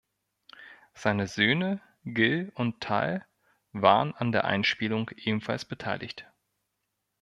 Seine Söhne Gil und Tal waren an der Einspielung ebenfalls beteiligt.